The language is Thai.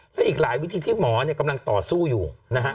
และอีกหลายวิธีที่หมอเนี่ยกำลังต่อสู้อยู่นะฮะ